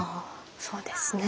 そうですね。